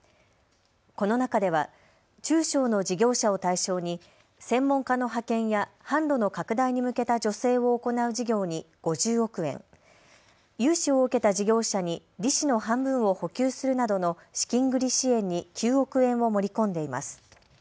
この中では中小の事業者を対象に専門家の派遣や販路の拡大に向けた助成を行う事業に５０億円、融資を受けた事業者に利子の半分を補給するなどの資金繰り支援に９億円を盛り込んでいます。